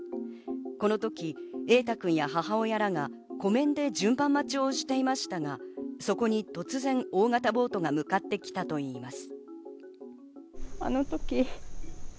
このとき、瑛大君や母親らが湖面で順番待ちをしていましたが、そこに突然、大型ボートが向かってきたといいます。